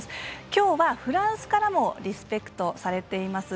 きょうはフランスからもリスペクトされています